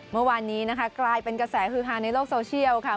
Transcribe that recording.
เมื่อวานนี้นะคะกลายเป็นกระแสฮือฮาในโลกโซเชียลค่ะ